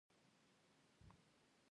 ایا ستاسو خوب به خوږ وي؟